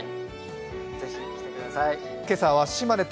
是非、来てください。